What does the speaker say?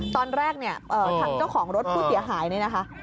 ตอนแรกเนี่ยทางเจ้าของรถผู้เสียหายเนี่ยนะคะ